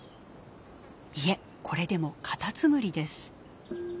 いえこれでもカタツムリです。